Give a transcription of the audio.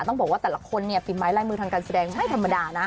ต้องบอกว่าแต่ละคนเนี่ยฝีไม้ลายมือทางการแสดงไม่ธรรมดานะ